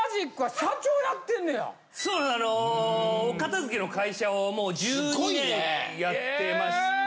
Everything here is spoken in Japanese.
あのお片付けの会社をもう１２年やってまして。